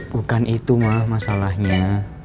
bukan itu mah masalahnya